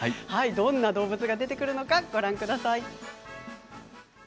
どんな動物が出てくるのかご覧ください。